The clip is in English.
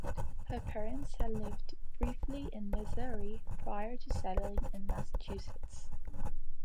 Her parents had lived briefly in Missouri prior to settling in Massachusetts.